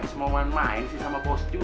semua main main sih sama bos jun